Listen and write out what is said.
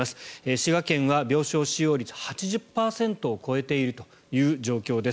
滋賀県は病床使用率８０％を超えているという状況です。